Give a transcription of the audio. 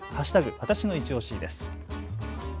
わたしのいちオシです。